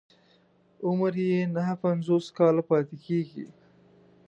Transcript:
عمر يې نهه پنځوس کاله پاتې کېږي.